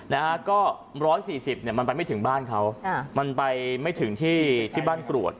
ร้อย๔๐บาทมันไปไม่ถึงบ้านเขามันไปไม่ถึงที่บ้านกลวด